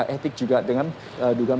etik juga dengan dugaan